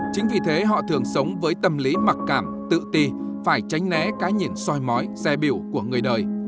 chính vì thế họ thường sống với tâm lý mặc cảm tự ti phải tránh né cái nhìn soi mói xe biểu của người đời